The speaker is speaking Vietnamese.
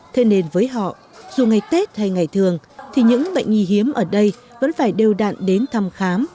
thế nên với họ dù ngày tết hay ngày thường thì những bệnh nhi hiếm ở đây vẫn phải đều đạn đến thăm khám